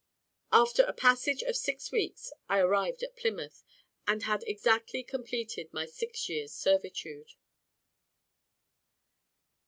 After a passage of six weeks, I arrived at Plymouth, and had exactly completed my six years' servitude.